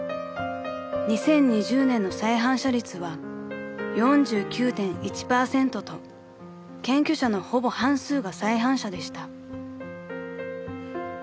［２０２０年の再犯者率は４９．１％と検挙者のほぼ半数が再犯者でした］